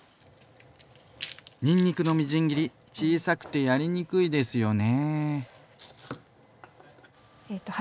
にんにくのみじん切り小さくてやりにくいですよね。